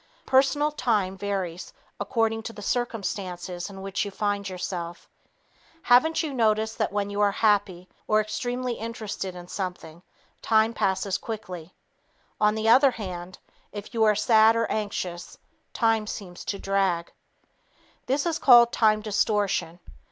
Personal time varies according to the circumstances in which you find yourself. Haven't you noticed that when you are happy or extremely interested in something, time passes quickly? On the other hand, if you are sad or anxious, time seems to drag. This is called time distortion.